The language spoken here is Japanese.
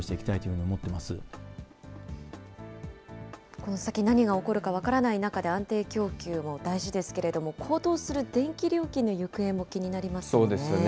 この先、何が起こるか分からない中で、安定供給も大事ですけれども、高騰する電気料金の行方も気になりますね。